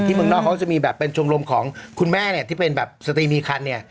เมืองนอกเขาก็จะมีแบบเป็นชมรมของคุณแม่เนี่ยที่เป็นแบบสตรีมีคันเนี่ย